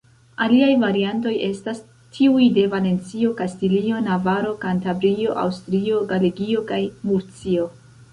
Aliaj variantoj estas tiuj de Valencio, Kastilio, Navaro, Kantabrio, Asturio, Galegio kaj Murcio.